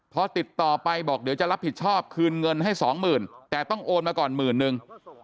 พอติดต่อไปบอกเดี๋ยวจะรับผิดชอบคืนเงินให้สองหมื่นแต่ต้องโอนมาก่อนหมื่นนึง